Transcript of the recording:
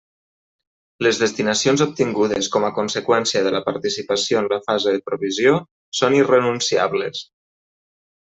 Les destinacions obtingudes com a conseqüència de la participació en la fase de provisió són irrenunciables.